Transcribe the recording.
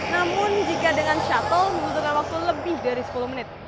namun jika dengan shuttle membutuhkan waktu lebih dari sepuluh menit